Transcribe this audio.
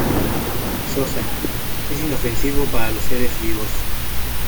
Sosa, Es inofensivo para los seres vivos.